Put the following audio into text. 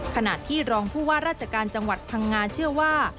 ขณะที่รองผู้ว่าราชการจังหวัดพังงาเชื่อว่า